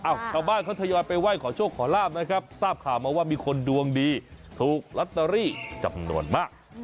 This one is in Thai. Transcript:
ชาวบ้านเขาทยอยไปไหว้ขอโชคขอลาบนะครับทราบข่าวมาว่ามีคนดวงดีถูกลอตเตอรี่จำนวนมาก